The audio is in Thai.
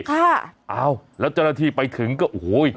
ค่ะอ้าวแล้วเจ้าหน้าที่ไปถึงก็โอ้โห